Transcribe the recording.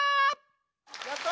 やった！